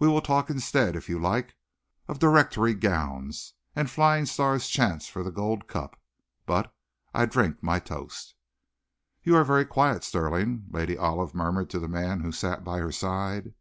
We will talk instead, if you like, of directoire gowns, and Flying Star's chance for the gold cup. But I drink my toast." "You are very quiet, Stirling," Lady Olive murmured to the man who sat by her side.